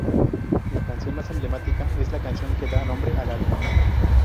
La canción más emblemática es la canción que da nombre al álbum.